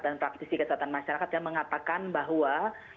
dan praktisi kesehatan masyarakat yang mengatakan bahwa